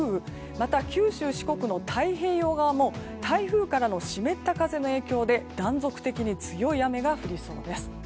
また九州・四国の太平洋側も台風からの湿った風の影響で断続的に強い雨が降りそうです。